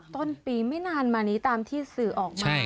ต้นปีไม่นานมานี้ตามที่สื่อออกมา